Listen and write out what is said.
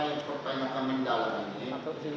kenapa pertanyaan kami dalam ini